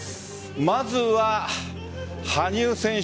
まずは羽生選手